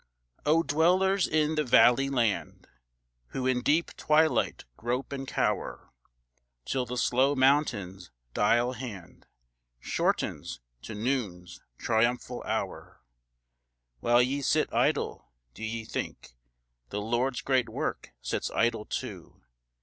I. O dwellers in the valley land, Who in deep twilight grope and cower, Till the slow mountain's dial hand Shortens to noon's triumphal hour, While ye sit idle, do ye think The Lord's great work sits idle too?